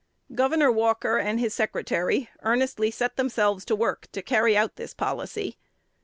Gov. Walker and his secretary earnestly set themselves to work to carry out this policy.